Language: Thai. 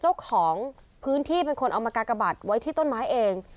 เจ้าของพื้นที่เป็นคนเอามากากบัตรไว้ที่ต้นไม้เอง